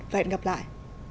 và hẹn gặp lại